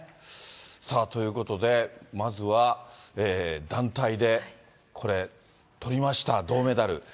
さあ、ということでまずは団体でこれ、とりました、銅メダル。